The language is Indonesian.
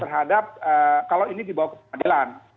terhadap kalau ini dibawa ke pengadilan